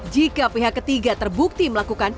jika pihak ketiga terbukti melakukan